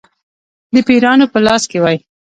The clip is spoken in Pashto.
د پیرانو په لاس کې وای.